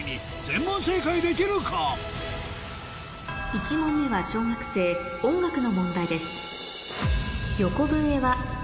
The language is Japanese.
１問目は小学生音楽の問題です